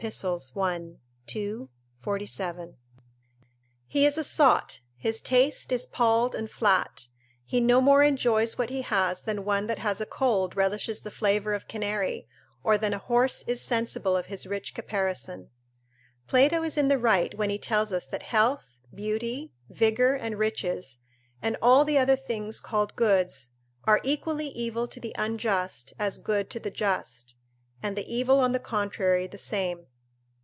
i. 2, 47.] He is a sot, his taste is palled and flat; he no more enjoys what he has than one that has a cold relishes the flavour of canary, or than a horse is sensible of his rich caparison. Plato is in the right when he tells us that health, beauty, vigour, and riches, and all the other things called goods, are equally evil to the unjust as good to the just, and the evil on the contrary the same.